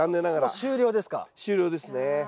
終了ですね。